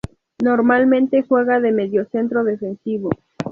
Normalmente juega de mediocentro defensivo.